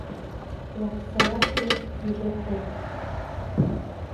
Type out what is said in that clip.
Уахьцалакгьы зегь акоуп.